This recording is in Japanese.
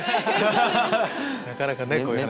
なかなかね